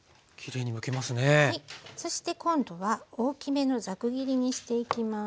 そして今度は大きめのザク切りにしていきます。